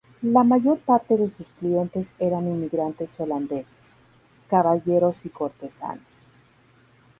La mayor parte de sus clientes eran inmigrantes holandeses, caballeros y cortesanos.